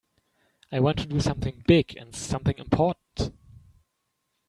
I want to do something big and something important.